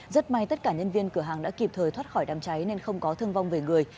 rất may tất cả nhân viên cửa hàng đã kịp thời thoát khỏi đám cháy nên không có thương vong về người